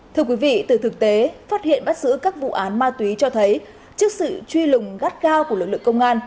thưa quý vị từ thực tế phát hiện bắt giữ các vụ án ma túy cho thấy trước sự truy lùng gắt cao của lực lượng công an